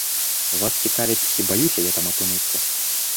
Вас цікаваць ці баюся я там апынуцца?